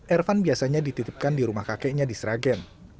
ervan biasanya dititipkan di rumah kakeknya di sragen